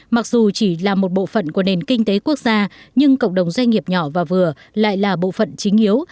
mặc dù chỉ là một bộ phận của nền kinh tế quốc gia nhưng cộng đồng doanh nghiệp nhỏ và vừa lại là bộ phận chính yếu